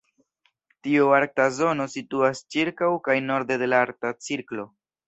Tiu arkta zono situas ĉirkaŭ kaj norde de la Arkta Cirklo.